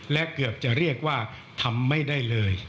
และเกือบจะเรียกว่าทำไม่ได้เลย